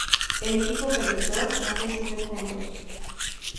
El equipo perdedor no recibe puntos.